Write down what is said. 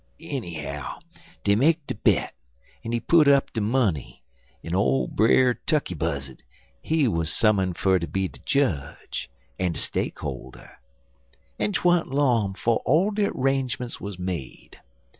"Enny how dey make de bet en put up de money, en old Brer Tukkey Buzzard, he wuz summonzd fer ter be de jedge, en de stakeholder; en 'twan't long 'fo' all de 'rangements wuz made.